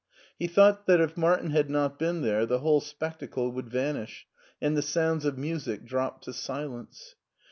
He thought that if Martip had not been there the whole spectacle would vanish, and the sounds of music drop to silence.